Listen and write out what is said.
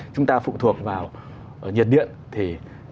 chúng ta phụ thuộc vào nhiệt điện thì